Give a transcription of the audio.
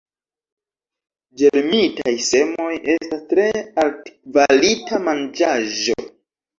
Ĝermitaj semoj estas tre altkvalita manĝaĵo.